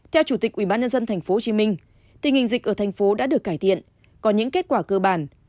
theo chủ tịch ủy ban nhân dân tp hcm tình hình dịch ở tp hcm đã được cải thiện có những kết quả cơ bản